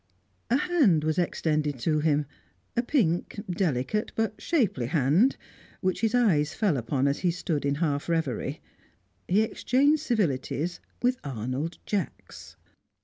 A hand was extended to him, a pink, delicate, but shapely hand, which his eyes fell upon as he stood in half reverie. He exchanged civilities with Arnold Jacks.